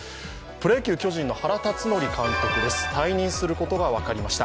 プロ野球、巨人原辰徳監督が退任することが分かりました。